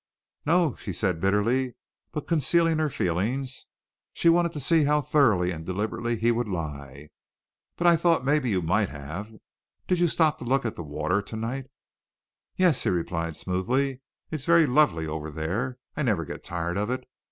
"No," she said bitterly, but concealing her feelings; she wanted to see how thoroughly and deliberately he would lie. "But I thought maybe you might have. Did you stop to look at the water tonight?" "Yes," he replied smoothly. "It's very lovely over there. I never get tired of it.